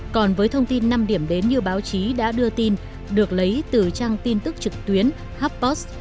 còn với thông tin năm điểm đến như báo chí đã đưa tin được lấy từ trang tin tức trực tuyến happost